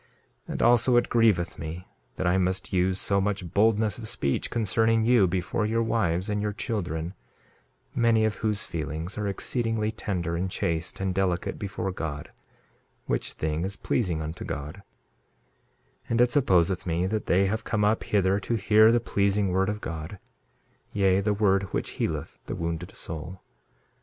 2:7 And also it grieveth me that I must use so much boldness of speech concerning you, before your wives and your children, many of whose feelings are exceedingly tender and chaste and delicate before God, which thing is pleasing unto God; 2:8 And it supposeth me that they have come up hither to hear the pleasing word of God, yea, the word which healeth the wounded soul.